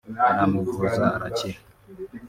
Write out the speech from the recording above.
baramuvuza arakira